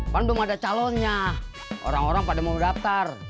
pan belum ada calonnya orang orang pada mau daftar